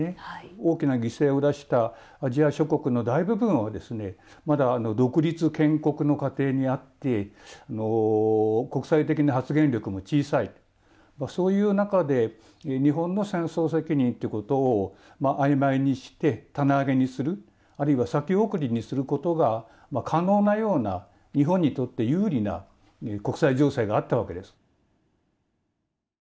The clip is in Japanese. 大きな犠牲を出したアジア諸国の大部分はまだ独立建国の過程にあって国際的な発言力も小さいそういう中で日本の戦争責任ってことをあいまいにして棚上げにするあるいは先送りにすることが可能なような日本にとって有利な国際情勢があったわけです。